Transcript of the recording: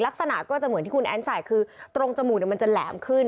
ลักษณะก็จะเหมือนที่คุณแอ้นใส่คือตรงจมูกมันจะแหลมขึ้น